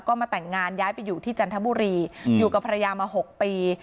ก็มาแต่งงานย้ายไปอยู่ที่จันทบุรีอยู่กับภรรยามา๖ปี